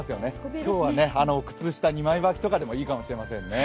今日は靴下二枚履きとかでもいいかもしれませんね。